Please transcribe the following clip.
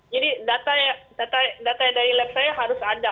jadi data dari lab saya harus ada